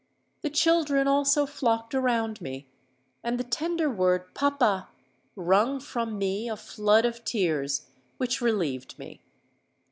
The children also flocked around me; and the tender word 'Papa!' wrung from me a flood of tears, which relieved me.